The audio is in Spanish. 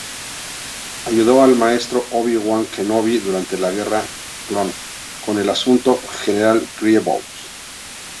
Ayudó al maestro Obi-Wan Kenobi durante las Guerras Clon, con el asunto "General Grievous".